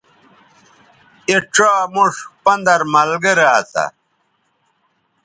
اے ڇا موش پندَر ملگرے اسا